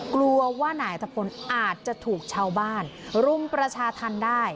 กลัวว่านายอัธพลอาจจะถูกชาวบ้านรุมประชาธรรมได้